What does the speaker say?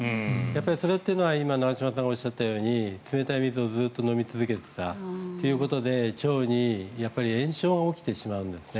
それというのは今長嶋さんがおっしゃったように冷たい水を飲み続けていたということで腸に炎症が起きてしまうんですね。